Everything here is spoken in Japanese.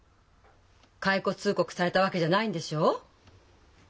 解雇通告されたわけじゃないんでしょう？